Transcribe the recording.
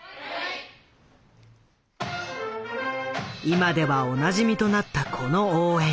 今ではおなじみとなったこの応援。